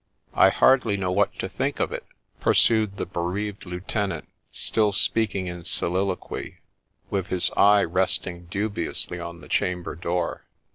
' I hardly know what to think of it,' pursued the bereaved lieutenant, still speaking in soliloquy, with his eye resting dubiously on the chamber door.